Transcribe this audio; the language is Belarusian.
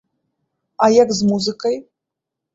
А як з музыкай?